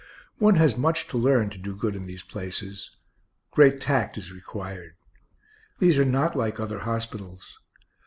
One has much to learn to do good in these places. Great tact is required. These are not like other hospitals.